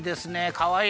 かわいい！